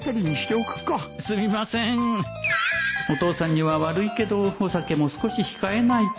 お父さんには悪いけどお酒も少し控えないと